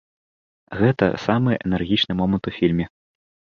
Гэта самы энергічны момант у фільме.